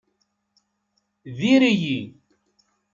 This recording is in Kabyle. Diri-yi.